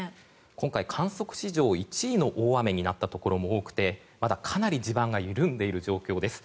今回観測史上１位の大雨になったところも多くてまだかなり地盤が緩んでいる状況です。